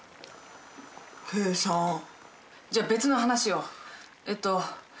じゃ別の話をえっと。